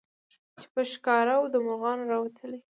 چي په ښکار وو د مرغانو راوتلی